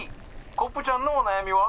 コップちゃんのおなやみは？」。